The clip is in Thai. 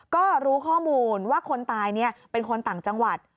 ก็รู้ข้อมูลว่าคนตายเป็นคนต่างจังหวัด